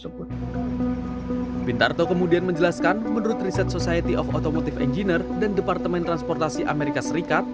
bintarto kemudian menjelaskan menurut riset society of automotive engineer dan departemen transportasi amerika serikat